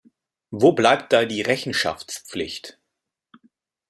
Wo bleibt da die Rechenschaftspflicht?